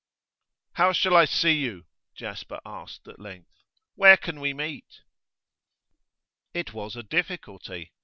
'How shall I see you?' Jasper asked at length. 'Where can we meet?' It was a difficulty.